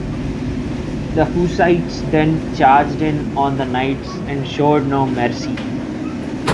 The Hussites then charged in on the knights and showed no mercy.